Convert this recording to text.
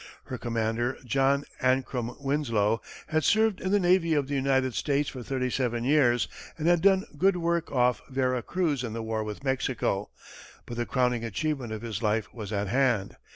Her commander, John Ancrum Winslow, had served in the navy of the United States for thirty seven years, and had done good work off Vera Cruz in the war with Mexico, but the crowning achievement of his life was at hand.